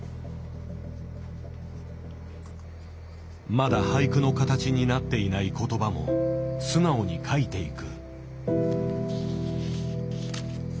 まだ俳句の形になっていない言葉も素直に書いていく。